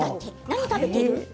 何食べている？